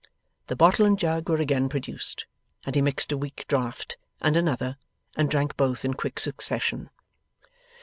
The bottle and jug were again produced, and he mixed a weak draught, and another, and drank both in quick succession.